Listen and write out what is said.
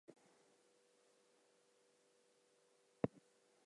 The throwing of sticks or grass at graves is a purely defensive measure.